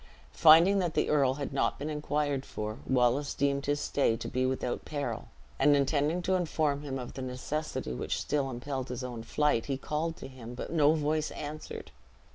Finding that the earl had not been inquired for, Wallace deemed his stay to be without peril; and intending to inform him of the necessity which still impelled his own flight, he called to him, but no voice answered.